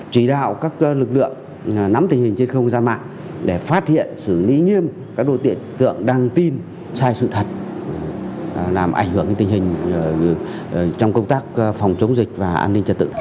chỉ đạo các lực lượng nắm tình hình trên không gian mạng để phát hiện xử lý nghiêm các đối tượng tượng đăng tin sai sự thật làm ảnh hưởng tình hình trong công tác phòng chống dịch và an ninh trật tự